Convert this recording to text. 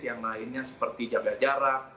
yang lainnya seperti jaga jarak